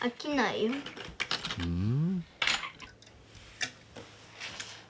うん。